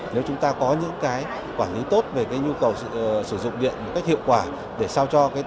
nếu chúng ta có những quản lý tốt về nhu cầu sử dụng điện một cách hiệu quả